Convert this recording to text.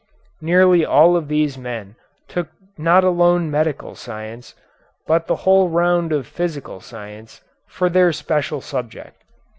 Nearly all of these men took not alone medical science, but the whole round of physical science, for their special subject.